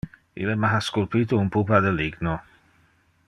Ille me ha sculpite un pupa de ligno.